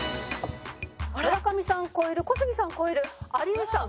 村上さん超える小杉さん超える有吉さん